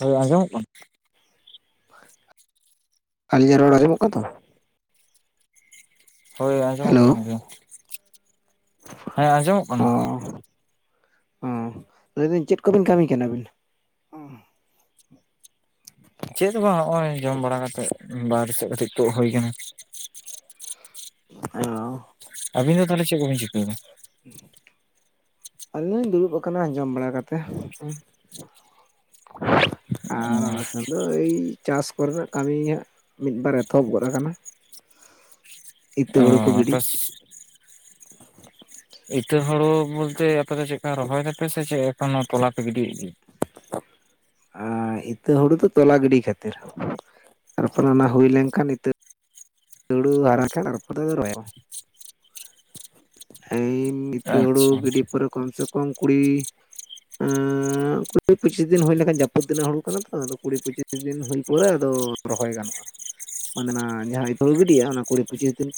ᱦᱚᱭ ᱟᱸᱡᱚᱢᱚᱜ ᱠᱟᱱᱟ? ᱟᱹᱞᱤᱧᱟᱜ ᱨᱚᱲ ᱟᱡᱚᱢᱚᱜ ᱠᱟᱹ ᱛᱚ? ᱦᱳᱭ ᱟᱸᱡᱚᱢᱚᱜ ᱦᱮᱞᱳ ᱠᱟᱱ ᱜᱮᱭᱟ᱾ ᱦᱮᱸ ᱟᱸᱡᱚᱢᱚᱜ ᱚ ᱠᱟᱱᱟ᱾ ᱚ ᱞᱟᱹᱭᱫᱟᱹᱧ ᱪᱮᱫ ᱠᱚᱵᱤᱱ ᱠᱟᱹᱢᱤ ᱠᱟᱱᱟ ᱵᱤᱱ? ᱪᱮᱫ ᱦᱚᱸ ᱵᱟ ᱦᱚᱜ-ᱚᱭ ᱡᱚᱢ ᱵᱟᱲᱟ ᱠᱟᱛᱮᱫ ᱵᱟᱨ ᱥᱮᱫ ᱠᱟᱹᱴᱤᱡ ᱛᱳᱜ ᱦᱩᱭ ᱟᱠᱟᱱᱟ᱾ ᱚᱻ ᱟᱵᱤᱱ ᱫᱚ ᱛᱟᱦᱚᱞᱮ ᱪᱮᱫ ᱠᱚᱵᱤᱱ ᱪᱤᱠᱟᱹᱭᱫᱟ? [unintelligible] ᱟᱞᱤᱧ ᱫᱩᱲᱩᱵ ᱟᱠᱟᱱᱟ ᱟᱸᱡᱚᱢ ᱵᱟᱲᱟ ᱠᱟᱛᱮ᱾ ᱟᱨ ᱟᱞᱮ ᱥᱮᱫ ᱫᱚ ᱮᱭ ᱪᱟᱥ ᱠᱚ ᱨᱮᱱᱟᱜ ᱠᱟᱹᱢᱤ ᱜᱮ ᱦᱟᱸᱜ ᱢᱤᱫᱵᱟᱨ ᱮᱛᱚᱦᱚᱵ ᱜᱚᱫ ᱟᱠᱟᱱᱟ᱾ ᱤᱛᱟᱹ ᱚ ᱦᱩᱲᱩ ᱠᱚ ᱜᱤᱰᱤ᱾ ᱟᱯᱮ ᱤᱛᱟᱹ ᱦᱳᱲᱳ ᱵᱚᱞᱛᱮ ᱟᱯᱮ ᱫᱚ ᱪᱮᱜᱠᱟ ᱨᱚᱦᱚᱭ ᱫᱟᱯᱮ ᱥᱮ ᱪᱮᱜ ᱮᱠᱷᱚᱱ ᱦᱚᱸ ᱛᱚᱞᱟ ᱯᱮ ᱜᱤᱰᱤᱮᱫ ᱜᱮᱭᱟ? ᱟᱸᱻ ᱤᱛᱟᱹ ᱦᱩᱲᱩ ᱫᱚ ᱛᱚᱞᱟ ᱜᱤᱰᱤ ᱠᱷᱟᱹᱛᱤᱨ᱾ ᱛᱟᱨᱯᱚᱨᱮ ᱚᱱᱟ ᱦᱩᱭ ᱞᱮᱱᱠᱷᱟᱱ ᱤᱛᱟᱹ ᱫᱩᱲᱩ ᱦᱟᱨᱟ [unintelligible] ᱦᱮᱢ ᱤᱛᱟᱹ ᱦᱩᱲᱩ ᱟᱪᱪᱷᱟ ᱜᱤᱰᱤ ᱯᱚᱨᱮ ᱠᱚᱢ ᱥᱮ ᱠᱚᱢ ᱠᱩᱲᱤ ᱟᱸᱻ ᱠᱩᱲᱤ ᱯᱩᱪᱤᱥ ᱫᱤᱱ ᱦᱩᱭ ᱞᱮᱱᱠᱷᱟᱱ ᱡᱟᱹᱯᱩᱛᱫ ᱫᱤᱱ ᱟᱜ ᱦᱩᱲᱩ ᱠᱟᱱᱟ ᱛᱚ᱾ ᱟᱫᱚ ᱠᱩᱲᱤ ᱯᱩᱪᱤᱥ ᱫᱤᱱ ᱫᱤᱱ ᱦᱩᱭ ᱯᱚᱨᱮ ᱟᱫᱚ ᱨᱚᱦᱚᱭ ᱜᱟᱱᱚᱜᱟ᱾ ᱢᱟᱫᱱᱟ ᱡᱟᱦᱟᱸᱟᱭ ᱦᱤᱛᱚᱜ ᱜᱤᱰᱤᱭᱟ ᱚᱱᱟ ᱠᱩᱲᱤ ᱯᱩᱪᱤᱥ ᱫᱤᱱ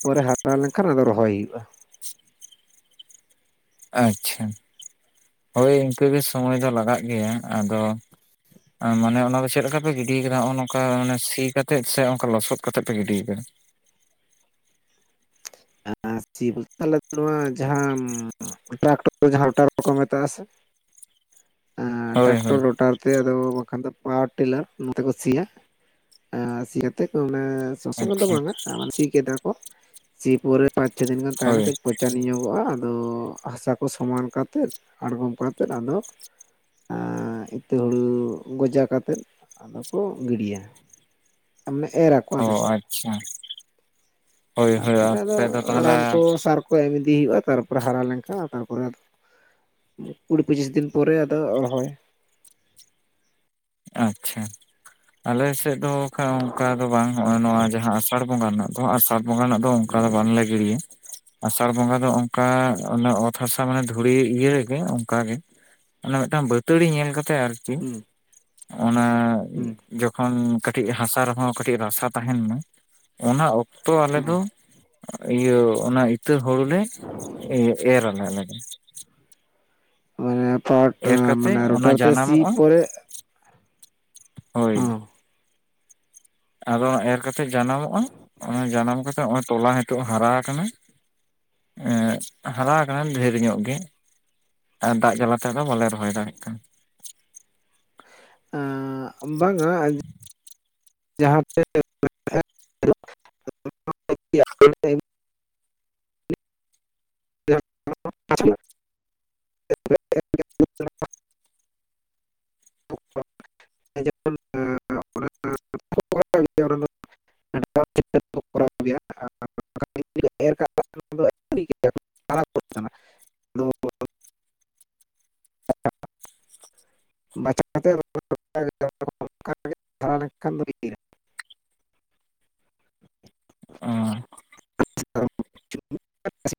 ᱯᱚᱨᱮ ᱦᱟᱨᱟ ᱞᱮᱱ ᱠᱷᱟᱱ ᱟᱫᱚ ᱫᱚ ᱨᱚᱦᱚᱭ ᱦᱩᱭᱩᱜ-ᱟ᱾ ᱟᱪᱪᱷᱟ᱾ ᱦᱳᱭ ᱤᱱᱠᱟᱹ ᱜᱮ ᱥᱚᱢᱚᱭ ᱫᱚ ᱞᱟᱜᱟᱜ ᱜᱮᱭᱟ᱾ ᱟᱫᱚ ᱢᱟᱱᱮ ᱚᱱᱟ ᱫᱚ ᱪᱮᱫ ᱞᱮᱠᱟ ᱯᱮ ᱜᱤᱰᱤ ᱠᱟᱫᱟ ᱱᱚᱜ-ᱚ ᱱᱚᱝᱠᱟ ᱢᱟᱱᱮ ᱥᱤ ᱠᱟᱛᱮᱜ ᱥᱮ ᱚᱱᱠᱟ ᱞᱚᱥᱚᱫ ᱠᱟᱛᱮᱜ ᱯᱮ ᱜᱤᱰᱤ ᱠᱟᱫᱟ᱾ [inaudible] ᱱᱚᱣᱟ ᱡᱟᱦᱟᱸᱢ [inaudible] ᱨᱚᱴᱟᱨ ᱵᱟᱠᱚ ᱢᱮᱛᱟᱜ-ᱟ ᱥᱮ ᱦᱳᱭ ᱴᱨᱟᱠᱴᱚᱨ ᱦᱳᱭ ᱨᱚᱴᱟᱨ᱾ ᱛᱮ ᱟᱫᱚ ᱵᱟᱠᱷᱟᱱ ᱫᱚ ᱯᱟᱣᱟᱨ ᱴᱤᱞᱟᱨ ᱱᱚᱣᱟ ᱛᱮ ᱠᱚ ᱥᱤᱭᱟ᱾ ᱮ ᱥᱤ ᱠᱟᱛᱮᱫ ᱠᱚ ᱢᱟᱱᱮ ᱥᱚᱥᱚᱝ ᱫᱚ ᱟᱪᱪᱷᱟ ᱵᱟᱝᱟ ᱟᱨ ᱥᱤ ᱠᱮᱫᱟ ᱠᱚ᱾ ᱥᱤ ᱯᱳᱨᱮ ᱯᱟᱸᱪ ᱪᱷᱚ ᱫᱤᱱ ᱜᱟᱱ ᱛᱟᱦᱮᱱᱟ ᱦᱳᱭ ᱠᱟᱹᱡ ᱯᱚᱪᱟᱱ ᱧᱚᱜᱚᱜ-ᱟ᱾ ᱟᱫᱚ ᱦᱟᱥᱟ ᱠᱚ ᱥᱚᱢᱟᱱ ᱠᱟᱛᱮᱫ ᱟᱲᱜᱚᱢ ᱠᱚ ᱟᱛᱮᱫ ᱟᱫᱚ ᱟ ᱤᱛᱟᱹ ᱦᱩᱲᱩ ᱜᱚᱡᱟ ᱠᱟᱛᱮᱫ ᱟᱫᱚ ᱠᱚ ᱜᱤᱲᱤᱭᱟ᱾ ᱢᱟᱜᱮ ᱮᱨ ᱟᱠᱚ ᱚ ᱟᱫᱚ ᱪᱮᱫ᱾ ᱟᱪᱪᱷᱟ ᱦᱳᱭ ᱦᱳᱭ ᱛᱟᱨᱯᱚᱨᱮ ᱟᱫᱚ ᱟᱯᱮ ᱫᱚ ᱨᱟᱱ ᱛᱟᱦᱚᱞᱮ ᱠᱚ ᱥᱟᱨ ᱠᱚ ᱮᱢ ᱤᱫᱤ ᱦᱩᱭᱩᱜ-ᱟ᱾ ᱛᱟᱨᱯᱚᱨᱮ ᱦᱟᱨᱟ ᱞᱮᱱᱠᱷᱟᱱ ᱛᱟᱨᱯᱚᱨᱮ ᱟᱫᱚ ᱠᱩᱲᱤ ᱯᱚᱪᱤᱥ ᱫᱤᱱ ᱯᱚᱨᱮ ᱟᱫᱚ ᱨᱚᱦᱚᱭ ᱟᱪᱪᱷᱟ᱾ ᱟᱞᱮ ᱥᱮᱫ ᱫᱚ ᱠᱷᱟᱜ ᱚᱱᱠᱟ ᱫᱚ ᱵᱟᱝ ᱱᱚᱜᱚᱭ ᱱᱚᱣᱟ ᱡᱟᱦᱟᱸ ᱟᱥᱟᱲ ᱵᱚᱸᱜᱟ ᱨᱮᱱᱟᱜ ᱟᱥᱟᱴ ᱵᱚᱸᱜᱟ ᱨᱮᱱᱟᱜ ᱫᱚ ᱚᱱᱠᱟ ᱫᱚ ᱵᱟᱝᱞᱮ ᱜᱤᱲᱤᱭᱟ᱾ ᱟᱥᱟᱲ ᱵᱚᱸᱜᱟ ᱫᱚ ᱚᱱᱠᱟ ᱚᱛ ᱦᱟᱥᱟ ᱢᱟᱱᱮ ᱫᱷᱩᱲᱤ ᱤᱭᱟᱹ ᱨᱮᱜᱮ ᱚᱱᱠᱟ ᱜᱮ᱾ ᱚᱱᱟ ᱢᱤᱫᱴᱟᱝ ᱵᱟᱹᱛᱟᱹᱲᱤ ᱧᱮᱞ ᱠᱟᱛᱮᱜ ᱟᱨᱪᱤ᱾ ᱦᱩᱸ ᱚᱱᱟ ᱦᱩᱸ ᱡᱚᱠᱷᱚᱱ ᱠᱟᱹᱴᱤᱡ ᱦᱟᱥᱟ ᱨᱮᱦᱚᱸ ᱠᱟᱹᱴᱤᱡ ᱨᱟᱥᱟ ᱛᱟᱦᱮᱱ ᱢᱟ᱾ ᱚᱱᱟ ᱚᱠᱛᱚᱼᱼ ᱛᱚ ᱟᱞᱮ ᱦᱩᱸ ᱫᱚᱼᱼ ᱤᱭᱟᱹ ᱚᱱᱟ ᱤᱛᱟᱹ ᱦᱳᱲᱳ ᱞᱮ ᱮᱨᱟᱞᱮ ᱟᱞᱮ ᱫᱚ᱾ ᱢᱟᱱᱮ ᱯᱷᱟᱴ ᱮᱨ ᱠᱟᱛᱮ ᱢᱟᱱᱮ ᱚᱱᱟ ᱨᱳᱴᱟᱨ ᱛᱮ ᱥᱤ ᱡᱟᱱᱟᱢᱚᱜᱼᱟ ᱯᱚᱨᱮ ᱦᱳᱭ᱾ ᱦᱚᱸ ᱟᱫᱚ ᱮᱨ ᱠᱟᱛᱮᱜ ᱡᱟᱱᱟᱢᱚᱜᱼᱟ᱾ ᱚᱱᱟ ᱡᱟᱱᱟᱢ ᱠᱟᱛᱮᱜ ᱚᱱᱮ ᱴᱚᱞᱟ ᱱᱤᱛᱚᱜ ᱦᱟᱨᱟ ᱠᱟᱱᱟ᱾ ᱮᱸᱫ ᱦᱟᱨᱟ ᱠᱟᱱᱟ ᱰᱷᱮᱨ ᱧᱚᱜ ᱜᱮ ᱟᱨ ᱫᱟᱜ ᱡᱟᱞᱟ ᱛᱮᱫᱚ ᱵᱟᱞᱮ ᱨᱚᱦᱚᱭ ᱫᱟᱲᱮᱜ ᱠᱟᱱᱟ᱾ ᱮᱜ ᱵᱟᱝᱟ ᱟᱡᱼᱼ ᱡᱟᱦᱟᱸ ᱯᱮ ᱛᱮ [inaudible] [inaudible] ᱡᱮᱢᱚᱱ [inaudible] [inaudible] ᱠᱚᱨᱟᱣ ᱜᱮᱭᱟ᱾ ᱞᱮ ᱮᱨ ᱠᱟᱜ [unintelligible] ᱴᱷᱤᱠ ᱜᱮ [inaudible] ᱵᱟᱪᱷᱟᱣ ᱠᱟᱛᱮ ᱫᱟ ᱞᱮᱠᱷᱟᱱ ᱫᱚ [unintelligible] ᱚ [inaudible]